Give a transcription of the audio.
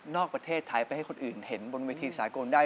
ประเทศไทยไปให้คนอื่นเห็นบนเวทีสากลได้